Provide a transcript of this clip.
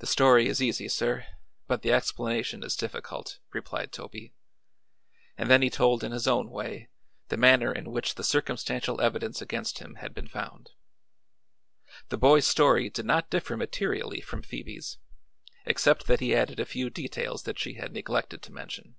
"The story is easy, sir, but the explanation is difficult," replied Toby, and then he told in his own way the manner in which the circumstantial evidence against him had been found. The boy's story did not differ materially from Phoebe's, except that he added a few details that she had neglected to mention.